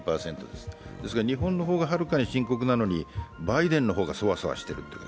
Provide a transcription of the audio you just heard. ですから日本の方がはるかに深刻なのに、バイデンの方がソワソワしている。